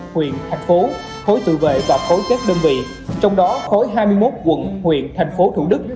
huyện thành phố khối tự vệ và khối các đơn vị trong đó khối hai mươi một quận huyện thành phố thủ đức